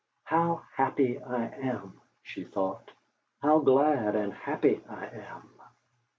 '.ow happy I am!' she thought 'how glad and happy I am!'